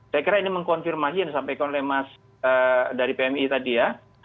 saya kira ini mengkonfirmasi yang disampaikan oleh mas dari pmi tadi ya